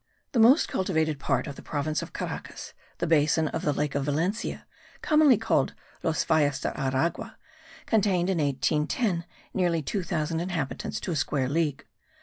The most cultivated part of the province of Caracas, the basin of the lake of Valencia, commonly called Los Valles de Aragua, contained in 1810 nearly 2000 inhabitants to the square league.